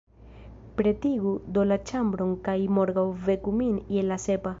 Pretigu do la ĉambron kaj morgaŭ veku min je la sepa.